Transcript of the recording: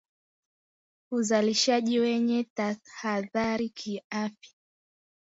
Uzalishaji wenye tahadhari kiafya